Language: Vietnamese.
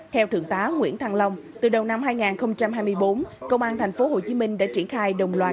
theo thượng tá nguyễn thăng long từ đầu năm hai nghìn hai mươi bốn công an tp hcm đã triển khai đồng loạt